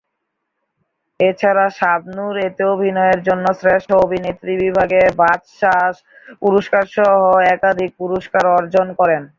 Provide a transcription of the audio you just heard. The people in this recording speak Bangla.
এছাড়া শাবনূর এতে অভিনয়ের জন্য শ্রেষ্ঠ অভিনেত্রী বিভাগে বাচসাস পুরস্কারসহ একাধিক পুরস্কার অর্জন করেন।